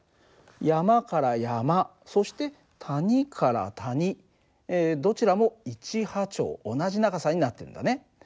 山から山そして谷から谷どちらも１波長同じ長さになってるんだね。